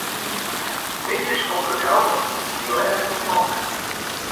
Middeis komt de Ljouwerter, dy lês ik omstannich.